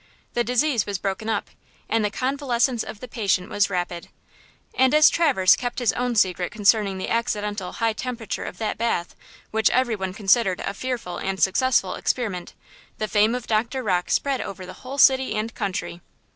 The disease was broken up, and the convalescence of the patient was rapid. And as Traverse kept his own secret concerning the accidental high temperature of that bath, which every one considered a fearful and successful experiment, the fame of Dr. Rocke spread over the whole city and country.